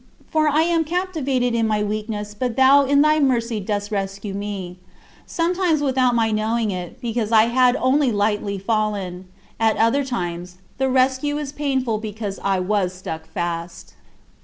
" For I am captivated in my weakness but thou in thy mercy dost rescue me: sometimes without my knowing it, because I had only lightly fallen; at other times, the rescue is painful because I was stuck fast.